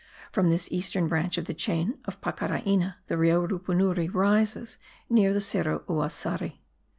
From this eastern branch of the chain of Pacaraina the Rio Rupunuri rises near the Cerro Uassari.